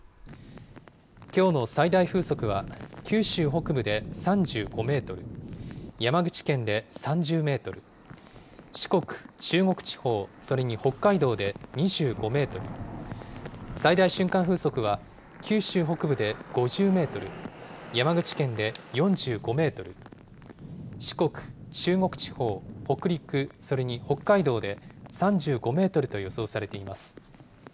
きょうの最大風速は、九州北部で３５メートル、山口県で３０メートル、四国、中国地方、それに北海道で２５メートル、最大瞬間風速は、九州北部で５０メートル、山口県で４５メートル、四国、中国地方、北陸、それに北海道で３５メートルと予想されています。